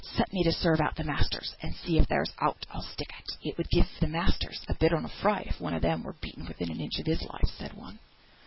Set me to serve out the masters, and see if there's ought I'll stick at." "It would give th' masters a bit on a fright if one on them were beaten within an inch of his life," said one.